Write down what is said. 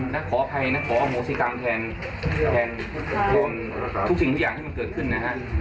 ขออภัยนะขออโหสิกรรมแทนทุกคนทุกสิ่งทุกอย่างที่มันเกิดขึ้นนะฮะ